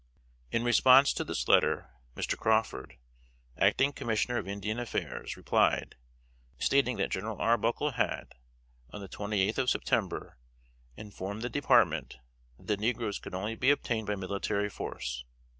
In answer to this letter, Mr. Crawford, Acting Commissioner of Indian Affairs, replied, stating that General Arbuckle had, on the twenty eighth of September, informed the Department that the negroes could only be obtained by military force.